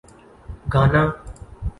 Ghana